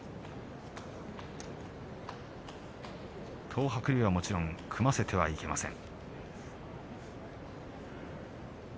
東白龍は組ませてはいけません。